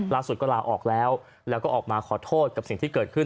ล่าสุดก็ลาออกแล้วแล้วก็ออกมาขอโทษกับสิ่งที่เกิดขึ้น